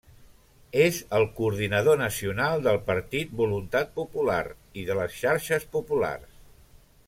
És el coordinador nacional del partit Voluntat Popular i de les Xarxes Populars.